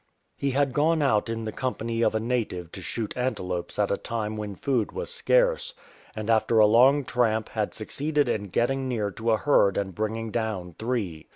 He had gone out in the company of a native to shoot antelopes at a time when food was scarce, and after a long tramp had succeeded in getting near to a herd and bring ing down three.